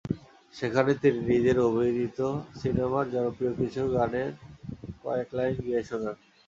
সেখানে তিনি নিজের অভিনীত সিনেমার জনপ্রিয় কিছু গানের কয়েক লাইন গেয়ে শোনান।